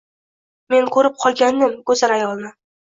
Men ko’rib qolgandim go’zal ayolni.